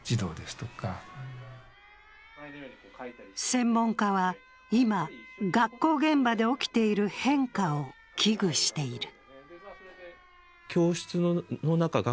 専門家は今、学校現場で起きている変化を危惧している。